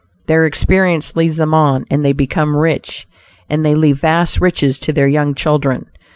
Their experience leads them on, and they become rich, and they leave vast riches to their young children.